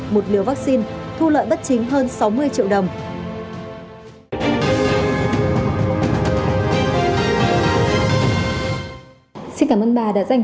một liều vaccine thu lợi bất chính